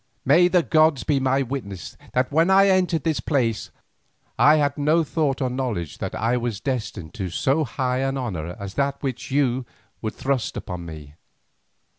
May the gods be my witness that when I entered this place I had no thought or knowledge that I was destined to so high an honour as that which you would thrust upon me.